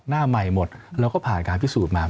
หน้าใหม่หมดแล้วก็ผ่านการพิสูจน์มา